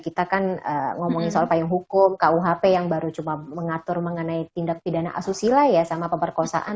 kita kan ngomongin soal payung hukum kuhp yang baru cuma mengatur mengenai tindak pidana asusila ya sama pemerkosaan